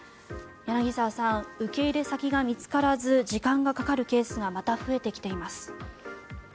受け入れ先が見つからず時間がかかったケースがまた増えてきています。